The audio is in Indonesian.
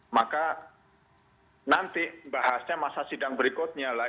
maka nanti bahasnya masa sidang berikutnya lah